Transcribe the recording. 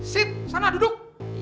sit sana duduk